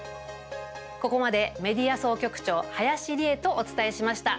ここまで、メディア総局長林理恵とお伝えしました。